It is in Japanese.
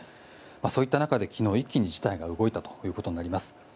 そういった中で昨日、一気に事態が動いたことになります。